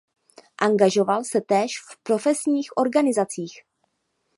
Angažoval se též v profesních organizacích.